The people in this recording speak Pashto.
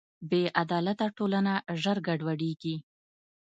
بېعدالته ټولنه ژر ګډوډېږي.